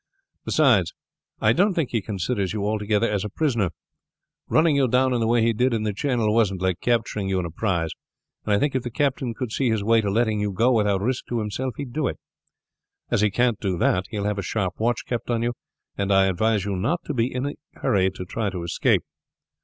Beside, I don't think he considers you altogether as a prisoner. Running you down in the way we did in the channel wasn't like capturing you in a prize, and I think if the captain could see his way to letting you go without risk to himself he would do it. As he can't do that he will have a sharp watch kept on you, and I advise you not to be in any hurry to try to escape.